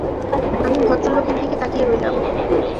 আমি ভদ্রলোকের দিকে তাকিয়ে রইলাম।